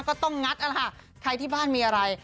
ก็ต้องงัดนะคะใครที่บ้านมีอะไร